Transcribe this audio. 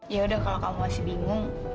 yaudah kalau kamu masih bingung